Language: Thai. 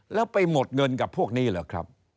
แล้วไปหมดเงินกับพวกนี้เหรอครับ